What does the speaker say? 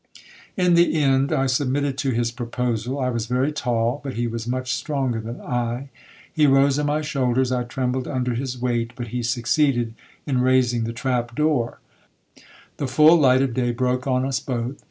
'In the end I submitted to his proposal. I was very tall, but he was much stronger than I. He rose on my shoulders, I trembled under his weight, but he succeeded in raising the trap door,—the full light of day broke on us both.